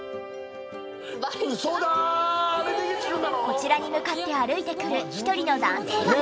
こちらに向かって歩いてくる１人の男性が。